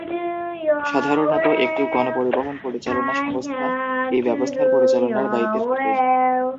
সাধারণত একটি গণপরিবহন পরিচালনা সংস্থা এই ব্যবস্থার পরিচালনার দায়িত্বে থাকে।